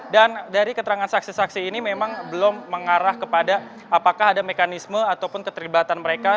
dari keterangan saksi saksi ini memang belum mengarah kepada apakah ada mekanisme ataupun keterlibatan mereka